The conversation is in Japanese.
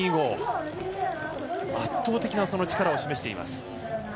圧倒的な力を示しています。